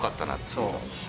そう。